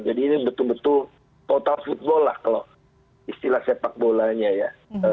jadi ini betul betul total football lah kalau istilah sepakbolanya ya